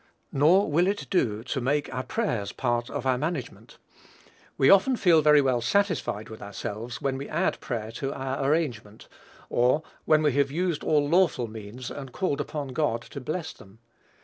Nor will it do to make our prayers part of our management. We often feel very well satisfied with ourselves when we add prayer to our arrangement, or when we have used all lawful means and called upon God to bless them.